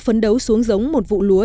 phấn đấu xuống giống một vụ lúa